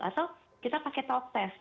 atau kita pakai topes